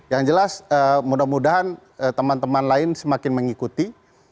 yang jelas mudah mudahan teman teman lain semakin mengikuti